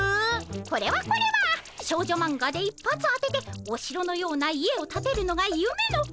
これはこれは少女マンガで一発当てておしろのような家をたてるのがゆめのうすいさちよさま。